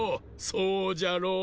そうじゃろう。